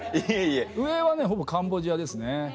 上はねほぼカンボジアですね。